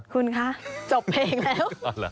คุณคะจบเพลงแล้ว